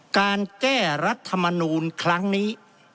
การแก้รัฐมนูลครั้งนี้